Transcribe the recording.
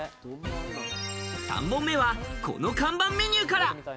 ３問目は、この看板メニューから。